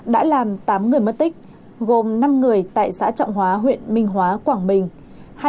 đã làm tám người mất tích gồm năm người tại xã trọng hóa huyện minh hóa quảng bình